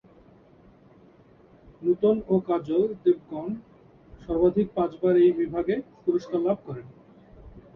নূতন ও কাজল দেবগন সর্বাধিক পাঁচবার এই বিভাগে পুরস্কার লাভ করেন।